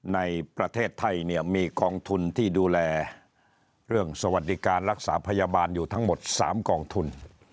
ในประเทศไทยเนี่ยมีกองทุนที่ดูแลเรื่องสวัสดิการรักษาพยาบาลอยู่ทั้งหมด๓กองทุน